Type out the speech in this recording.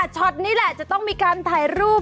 ช็อตนี้แหละจะต้องมีการถ่ายรูป